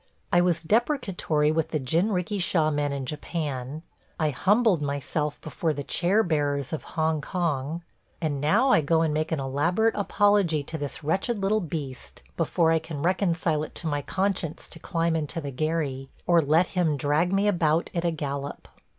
I was deprecatory with the jinrikisha men in Japan, I humbled myself before the chair bearers of Hong Kong, and now I go and make an elaborate apology to this wretched little beast before I can reconcile it to my conscience to climb into the gharry, or let him drag me about at a gallop.